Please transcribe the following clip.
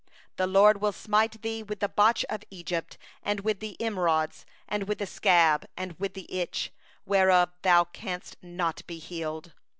27The LORD will smite thee with the boil of Egypt, and with the emerods, and with the scab, and with the itch, whereof thou canst not be healed.